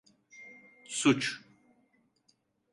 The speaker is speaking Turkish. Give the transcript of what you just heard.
Suç…